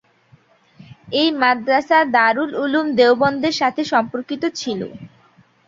এই মাদ্রাসা দারুল উলুম দেওবন্দের সাথে সম্পর্কিত ছিল।